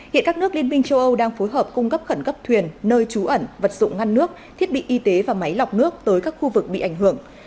hiện các nước liên minh châu âu đang phối hợp cung cấp khẩn cấp thuyền nơi trú ẩn vật dụng ngăn nước thiết bị y tế và máy lọc nước tới các khu vực bị ảnh hưởng